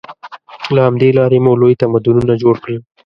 له همدې لارې مو لوی تمدنونه جوړ کړل.